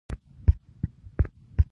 له هغه څخه یوه خبره معلومه شوه.